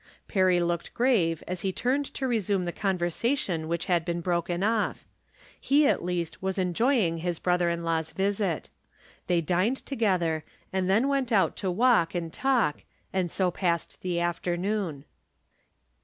" Perry looked grave as he turned to resume the conversation which had been broken off. He at least was enjoying his brother in law's visit. They dined together, and then went out to walk and talk, and so passed the afternoon.